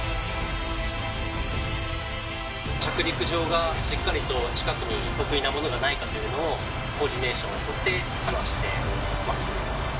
着陸場がしっかりと近くに特異な物がないかというのをコーディネーションを取って話してますね。